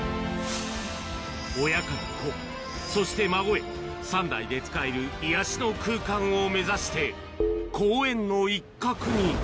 親から子、そして孫へ、３代で使える癒やしの空間を目指して、公園の一角に。